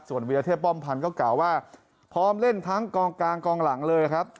ส่วนวิทยาเทพป้อมพันธ์ก็กล่าวว่าพร้อมเล่นทั้งกองกลางกองหลังเลยครับ